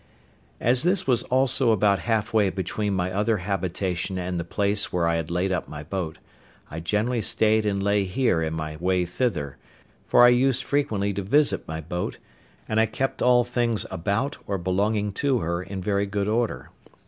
As this was also about half way between my other habitation and the place where I had laid up my boat, I generally stayed and lay here in my way thither, for I used frequently to visit my boat; and I kept all things about or belonging to her in very good order.